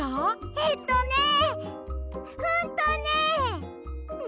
えっとねえんとねえ。